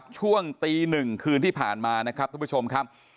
ช่วงตีหนึ่งคืนที่ผ่านมานะครับทุกผู้ชมครับ